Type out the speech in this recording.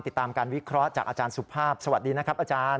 ติดตามการวิเคราะห์จากอาจารย์สุภาพสวัสดีนะครับอาจารย์